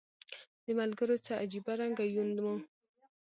د ملګرو څه عجیبه رنګه یون و